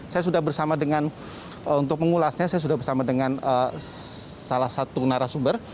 saya sudah bersama dengan untuk mengulasnya saya sudah bersama dengan salah satu narasumber